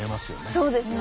そうですね。